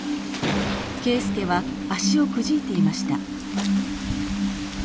圭輔は足をくじいていました。